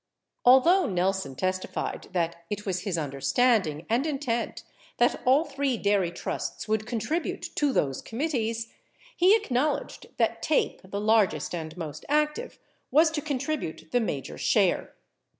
10 Although Nelson testified that it was his under standing and intent that all three dairy trusts woidd contribute to those committees, 11 he acknowledged that TAPE, the largest and most active, was to contribute the major share.